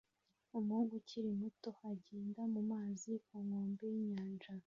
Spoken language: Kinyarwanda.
Umuhungu ukiri muto agenda mu mazi ku nkombe yinyanja